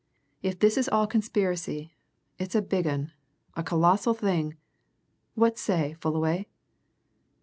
If this is all conspiracy, it's a big 'un a colossal thing! What say, Fullaway?"